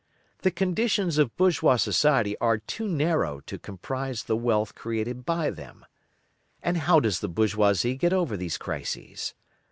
The conditions of bourgeois society are too narrow to comprise the wealth created by them. And how does the bourgeoisie get over these crises?